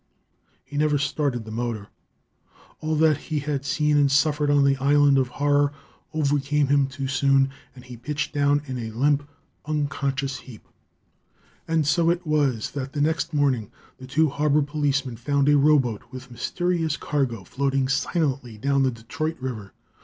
He never started the motor. All that he had seen and suffered on the island of horror overcame him too soon, and he pitched down in a limp, unconscious heap.... And so it was, that, the next morning, the two harbor policemen found a rowboat with mysterious cargo floating silently down the Detroit River.